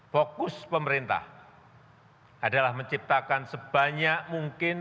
fokus pemerintah adalah menciptakan sebanyak mungkin